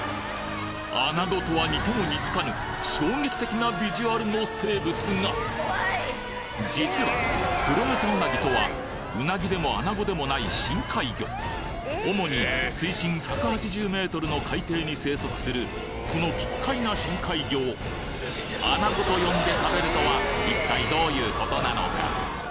アナゴとは似ても似つかぬ衝撃的なビジュアルの生物が実はクロヌタウナギとはウナギでもアナゴでもない深海魚この奇っ怪な深海魚をアナゴと呼んで食べるとは一体どういうことなのか？